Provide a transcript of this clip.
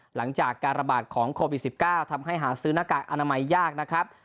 หลังจากการระบาดของโควิด๑๙ทำให้หาซื้อหน้ากากอนามัยยากนะครับ